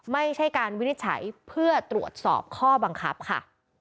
ไม่ใช่การวินิจฉัยเพื่อตรวจสอบข้อบังคับค่ะ